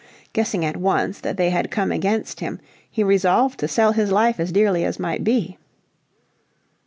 Guessing at once that they had come against him he resolved to sell his life as dearly as might be.